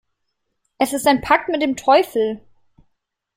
Es ist ein Pakt mit dem Teufel.